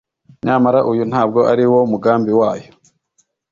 nyamara uyu ntabwo ari wo mugambi wayo.